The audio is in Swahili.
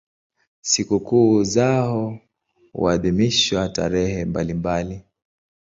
Sikukuu zao huadhimishwa tarehe mbalimbali.